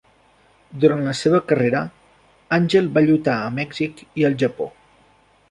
Durant la seva carrera, Angel va lluitar a Mèxic i al Japó.